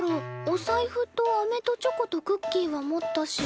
おさいふとアメとチョコとクッキーは持ったし。